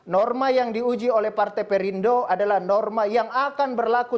norma yang diuji oleh partai perindo adalah norma yang akan berlaku